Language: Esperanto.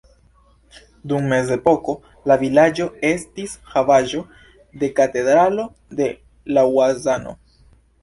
Dum mezepoko la vilaĝo estis havaĵo de la katedralo de Laŭzano.